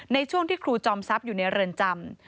ในช่วงที่ครูจอมทรัพย์อยู่ในเรือนจำ